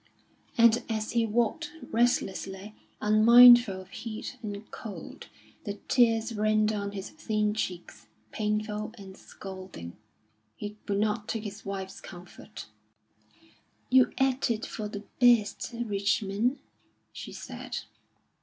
And as he walked restlessly, unmindful of heat and cold, the tears ran down his thin cheeks, painful and scalding. He would not take his wife's comfort. "You acted for the best, Richmond," she said.